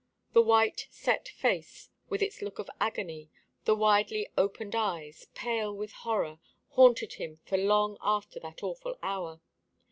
The white, set face, with its look of agony, the widely opened eyes, pale with horror, haunted him for long after that awful hour.